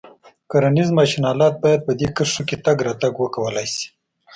کرنیز ماشین آلات باید په دې کرښو کې تګ راتګ وکولای شي.